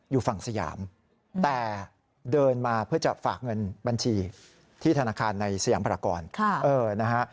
อยู่ฝั่งสยามแต่เดินมาเพื่อจะฝากเงินบัญชีที่ธนาคารในสยามพรากรนะฮะ